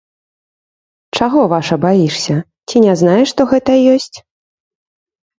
Чаго, ваша, баішся, ці не знаеш, што гэта ёсць?